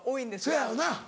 そやよな。